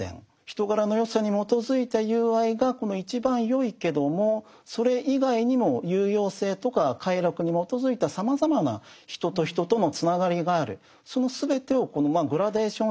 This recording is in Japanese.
人柄の善さに基づいた友愛が一番よいけどもそれ以外にも有用性とか快楽に基づいたさまざまな人と人とのつながりがある。